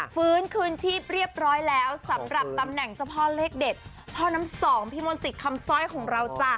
ฟื้นคืนชีพเรียบร้อยแล้วสำหรับตำแหน่งเจ้าพ่อเลขเด็ดพ่อน้ำสองพี่มนต์สิทธิ์คำซ่อยของเราจ้ะ